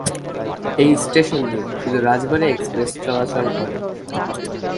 এই স্টেশন দিয়ে শুধু রাজবাড়ী এক্সপ্রেস চলাচল করে।